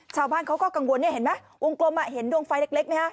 ชาวบ้านเขาก็กังวลเนี่ยเห็นไหมวงกลมเห็นดวงไฟเล็กไหมฮะ